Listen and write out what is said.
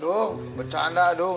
dung bercanda dung